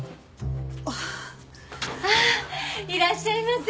いらっしゃいませ！